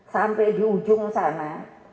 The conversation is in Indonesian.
sampai di ujung sana